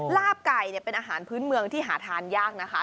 ลาบไก่เป็นอาหารพื้นเมืองที่หาทานยากนะคะ